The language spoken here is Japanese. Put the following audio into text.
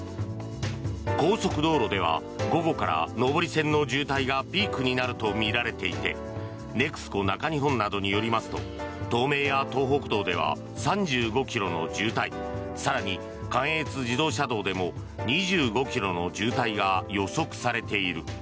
高速道路では午後から上り線の渋滞がピークになるとみられていてネクスコ中日本などによりますと東名や東北道では３５ｋｍの渋滞更に、関越自動車道でも２５ｋｍの渋滞が予想されている。